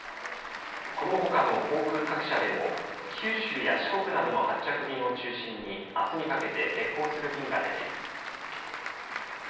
このほかの航空各社でも九州や四国などの発着便を中心にあすにかけて欠航する便が出ています。